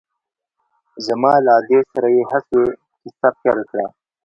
زما له ادې سره يې هسې کيسه پيل کړه.